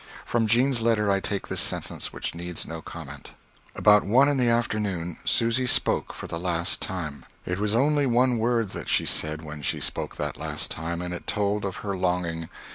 From Jean's letter I take this sentence, which needs no comment: "About one in the afternoon Susy spoke for the last time." It was only one word that she said when she spoke that last time, and it told of her longing.